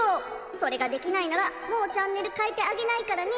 それができないならもうチャンネルかえてあげないからね」。